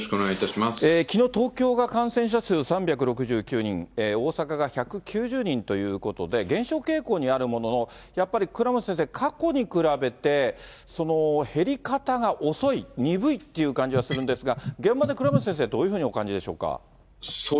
きのう、東京が感染者数３６９人、大阪が１９０人ということで、減少傾向にあるものの、やっぱり倉持先生、過去に比べて、減り方が遅い、鈍いという感じはするんですが、現場で倉持先生、どういうふうにお感じでしょうか？